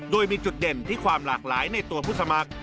โดยมีจุดเด่นที่ความหลากหลายในตัวผู้สมัคร